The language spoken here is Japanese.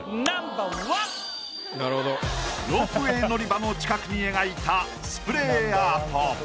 ロープウェイ乗り場の近くに描いたスプレーアート。